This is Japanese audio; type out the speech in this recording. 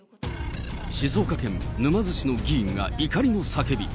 静岡県沼津市の議員が怒りの叫び。